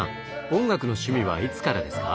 音楽の趣味はいつからですか？